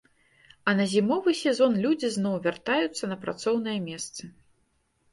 А на зімовы сезон людзі зноў вяртаюцца на працоўныя месцы.